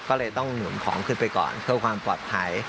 ก็เลยต้องหนุนของขึ้นไปก่อนเพื่อความปลอดภัย